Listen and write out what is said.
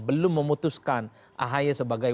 belum memutuskan ahi sebagai